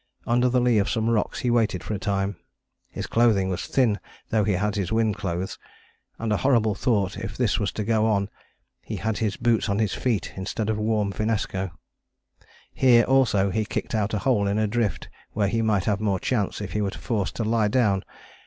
Under the lee of some rocks he waited for a time. His clothing was thin though he had his wind clothes, and, a horrible thought if this was to go on, he had boots on his feet instead of warm finnesko. Here also he kicked out a hole in a drift where he might have more chance if he were forced to lie down.